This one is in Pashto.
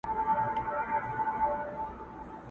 دې ربات ته بې اختیاره یم راغلی!.